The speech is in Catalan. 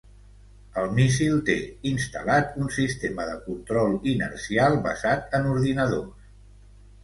El míssil té instal·lat un sistema de control inercial basat en ordinadors.